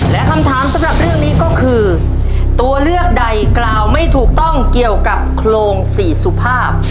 และคำถามสำหรับเรื่องนี้ก็คือตัวเลือกใดกล่าวไม่ถูกต้องเกี่ยวกับโครงสี่สุภาพ